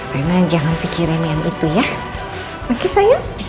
rena jangan pikirin yang itu ya oke sayang